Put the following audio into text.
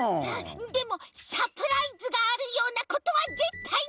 でもサプライズがあるようなことはぜったいにいわないで！